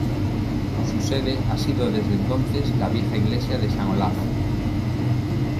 Su sede ha sido desde entonces la vieja iglesia de San Olaf.